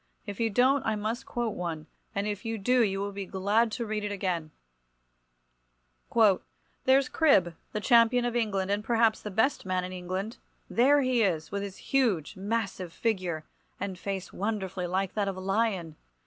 If you don't I must quote one, and if you do you will be glad to read it again— "There's Cribb, the Champion of England, and perhaps the best man in England; there he is, with his huge, massive figure, and face wonderfully like that of a lion.